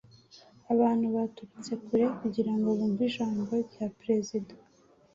Abantu baturutse kure kugira ngo bumve ijambo rya Perezida